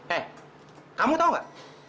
eh kamu tau gak